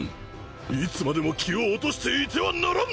いつまでも気を落としていてはならん。